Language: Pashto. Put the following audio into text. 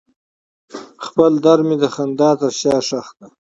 خپل درد مې د خندا تر شا ښخ کړ.